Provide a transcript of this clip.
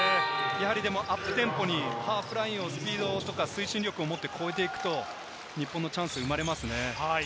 アップテンポにハーフラインをスピードとか推進力を持って止めていくと、日本のチャンスが生まれますね。